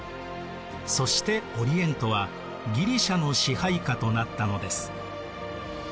そしてオリエントはギリシアの支配下となったのです。